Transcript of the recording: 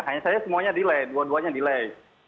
hanya saja semuanya delay dua duanya delay